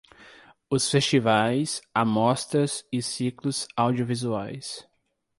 Os festivais, amostras e ciclos audiovisuais.